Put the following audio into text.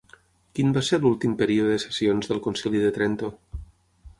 Quin va ser l'últim període de sessions del Concili de Trento?